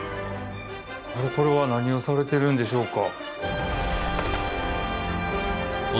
これは何をされてるんでしょうか？